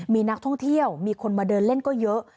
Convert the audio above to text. มีนักท่องเที่ยวมีคนมาเดินเล่นก็เยอะ